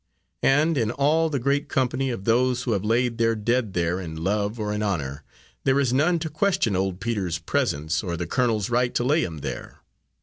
And in all the great company of those who have laid their dead there in love or in honour, there is none to question old Peter's presence or the colonel's right to lay him there.